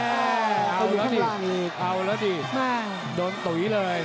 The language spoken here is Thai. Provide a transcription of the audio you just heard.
เอาอีกเอาแล้วดิโดนตุ๋ยเลย